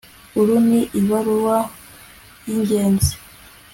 Uru ni ibaruwa yingenzi